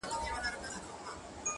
• شپه د کال او د پېړۍ په څېر اوږده وای,